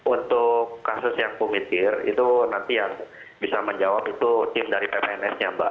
untuk kasus yang kumikir itu nanti yang bisa menjawab itu tim dari ppns nya mbak